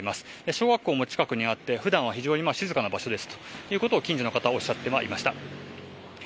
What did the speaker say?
小学校も近くにあって普段は非常に静かな場所ですと近所の方はおっしゃっていました。